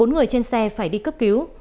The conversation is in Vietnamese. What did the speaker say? bốn người trên xe phải đi cấp cứu